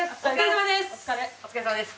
お疲れさまです！